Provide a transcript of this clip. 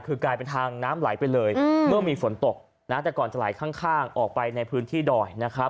คือกลายเป็นทางน้ำไหลไปเลยเมื่อมีฝนตกนะแต่ก่อนจะไหลข้างออกไปในพื้นที่ดอยนะครับ